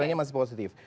trennya masih positif